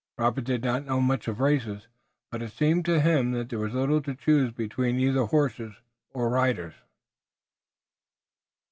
Robert did not know much of races, but it seemed to him that there was little to choose between either horses or riders.